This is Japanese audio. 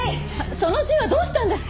その銃はどうしたんですか？